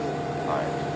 はい。